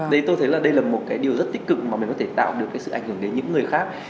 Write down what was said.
đấy tôi thấy là đây là một cái điều rất tích cực mà mình có thể tạo được cái sự ảnh hưởng đến những người khác